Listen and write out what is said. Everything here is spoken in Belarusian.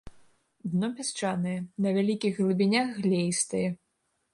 Дно пясчанае, на вялікіх глыбінях глеістае.